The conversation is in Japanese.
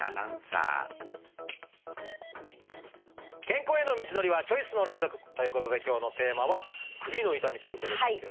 健康への道のりはチョイスの連続！ということで今日のテーマはどうですか？